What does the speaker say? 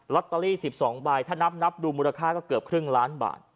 ตเตอรี่๑๒ใบถ้านับดูมูลค่าก็เกือบครึ่งล้านบาท